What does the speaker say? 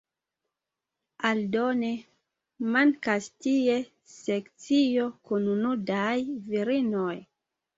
Aldone, mankas tie sekcio kun nudaj virinoj.